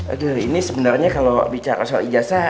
aduh ini sebenarnya kalau bicara soal ijazah